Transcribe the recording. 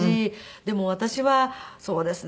でも私はそうですね。